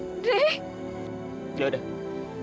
janganlah aku yang selalu menjengkelkanmu